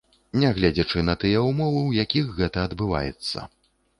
Нягледзячы на тыя ўмовы, у якіх гэта адбываецца.